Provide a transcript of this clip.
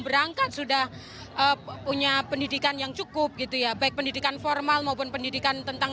berangkat sudah punya pendidikan yang cukup gitu ya baik pendidikan formal maupun pendidikan tentang